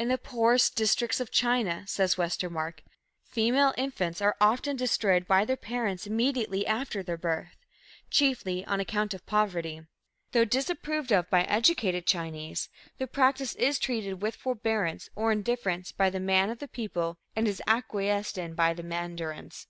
"In the poorest districts of China," says Westermark, "female infants are often destroyed by their parents immediately after their birth, chiefly on account of poverty. Though disapproved of by educated Chinese, the practice is treated with forbearance or indifference by the man of the people and is acquiesced in by the mandarins."